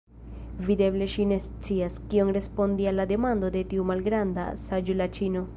Videble ŝi ne scias, kion respondi al la demando de tiu malgranda saĝulaĉino.